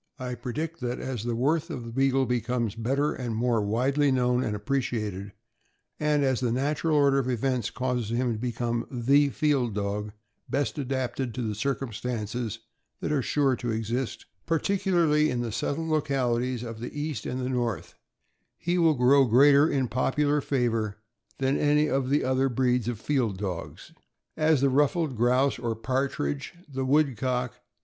I predict that, as the worth of the Beagle becomes better and more widely known and appreciated, and as the nat ural order of events causes him to become the field dog best adapted to the circumstances that are sure to exist, particu larly in the settled localities of the East and the North, he 282 THE AMERICAN BOOK OF THE DOG. will grow greater in popular favor than any of the other breeds of field dogs. As the ruffed grouse, or partridge, the woodcock.